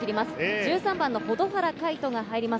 １３番の保土原海翔が入ります。